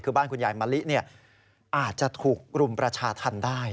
คือบ้านคุณยายมะลิอาจจะถูกรุมประชาธรรมได้